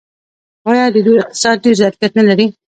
آیا د دوی اقتصاد ډیر ظرفیت نلري؟